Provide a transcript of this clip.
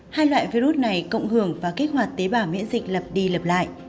hai loại virus này cộng hưởng và kết hoạt tế bảo miễn dịch lập đi lập lại